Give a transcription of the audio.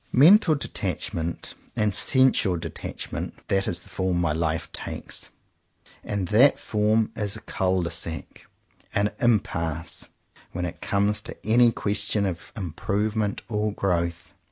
Mental detachment and sensual detach ment — that is the form my life takes; and that form is a cul de sac or im passe, when it comes to any question of "improvement" or growth.